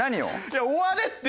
いや終われって！